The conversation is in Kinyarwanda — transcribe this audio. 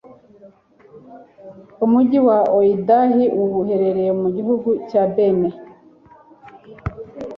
Umugi wa Ouidah ubu uherereye mu gihugu cya Bene,